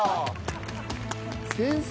先生！